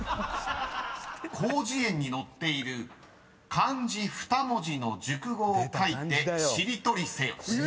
［広辞苑に載っている漢字２文字の熟語を書いてしりとりせよ］